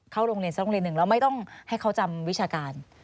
โรงเรียนสักโรงเรียนหนึ่งแล้วไม่ต้องให้เขาจำวิชาการ